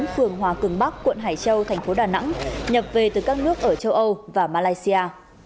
phường hòa cường bắc quận hải châu thành phố đà nẵng nhập về từ các nước ở châu âu và malaysia